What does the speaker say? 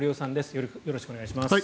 よろしくお願いします。